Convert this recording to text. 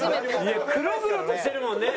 黒々としてるもんね。